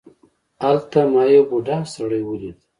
هلته ما یو بوډا سړی ولید.